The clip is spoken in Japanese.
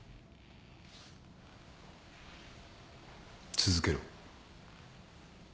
続けろ。